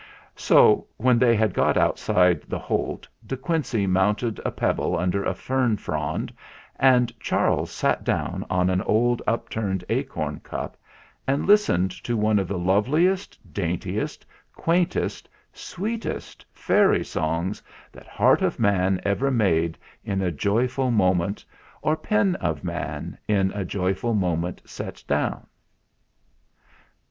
So, when they had got outside the Holt, De Quincey mounted a pebble under a fern frond and Charles sat down on an old up turned acorn cup and listened to one of the loveliest, daintiest, quaintest, sweetest fairy songs that heart of man ever made in a joyful moment, or pen of man in a joyful moment set down.